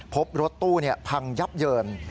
พบรถตู้พังยับเยิน